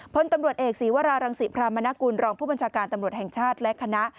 พลตำรวจเอกศีวรารังศิพรามนกุลรองผู้บัญชาการตำรวจแห่งชาติและคณะ